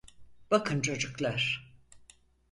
Bakın çocuklar…